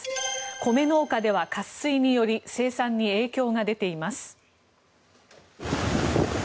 米農家では渇水により生産に影響が出ています。